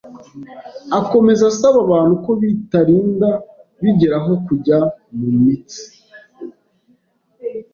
Akomeza asaba abantu ko bitarinda bigera aho kujya mu mitsi,